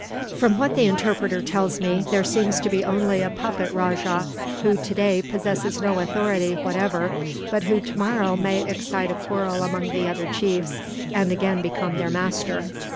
From what the interpreter tells me, there seems to be only a puppet rajah who, today, possesses no authority whatever; but who, tomorrow, may excite a quarrel among the other chiefs, and again become their master.